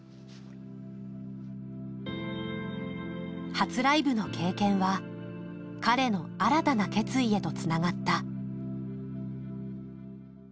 初ライブの経験は彼の新たな決意へとつながった。